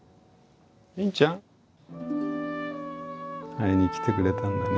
会いに来てくれたんだね。